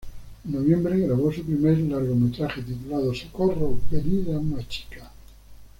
En noviembre, grabó su primer largometraje titulado "Socorro, ¡Venir a una chica!